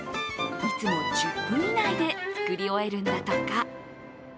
いつも１０分以内で作り終えるんだとか。